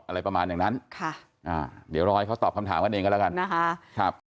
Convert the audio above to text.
อะไรประมาณอย่างนั้นเดี๋ยวเราให้เขาตอบคำถามกันเองก็แล้วกัน